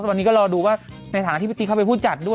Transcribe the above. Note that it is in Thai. ตอนนี้ก็รอดูว่าในฐานะที่พิธีเข้าไปพูดจัดด้วย